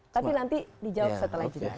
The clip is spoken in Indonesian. tapi nanti dijawab setelah jeda